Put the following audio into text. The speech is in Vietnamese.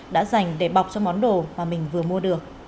đã dành để bọc cho món đồ mà mình vừa mua được